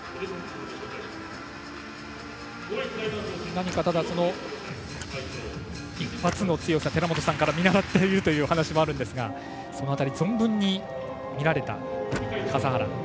何か、一発の強さを寺本さんから見習っているという話もあるんですがその辺り、存分に見られた笠原。